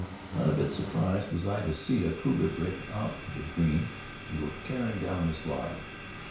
Not a bit surprised was I to see a cougar break out of the green, and go tearing down the slide.